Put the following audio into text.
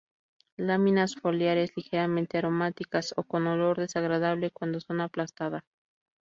Láminas foliares ligeramente aromáticas o con olor desagradable cuando son aplastadas.